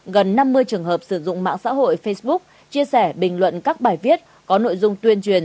gần năm mươi trường hợp sử dụng mạng xã hội facebook chia sẻ bình luận các bài viết có nội dung tuyên truyền